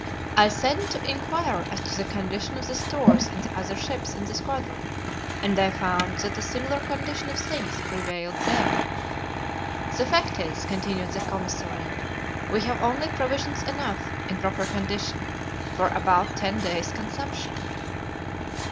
I sent to inquire as to the condition of the stores in the other ships in the squadron and I found that a similar condition of things prevailed there." "The fact is," continued the commissary, "we have only provisions enough, in proper condition, for about ten days' consumption."